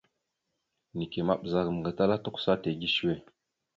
Neke ma ɓəzagaam gatala tʉkəsa tige səwe.